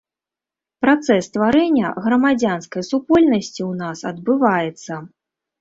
Працэс стварэння грамадзянскай супольнасці ў нас адбываецца.